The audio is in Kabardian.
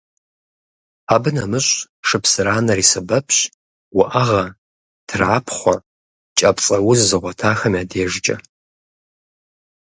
Абы нэмыщӏ шыпсыранэр и сэбэпщ уӏэгъэ, трапхъуэ, кӏапцӏэуз зыгъуэтахэм я дежкӏэ.